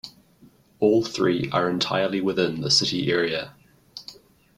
All three are entirely within the city area.